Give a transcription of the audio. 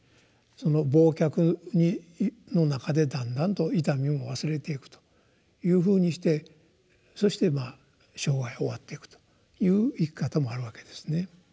その忘却の中でだんだんと痛みも忘れていくというふうにしてそして生涯を終わっていくという生き方もあるわけですね。